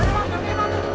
ayo jangan bau berit tiga